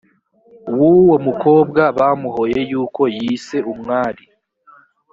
w uwo mukobwa bamuhoye yuko yise umwari